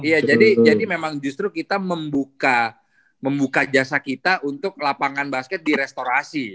iya jadi memang justru kita membuka jasa kita untuk lapangan basket di restorasi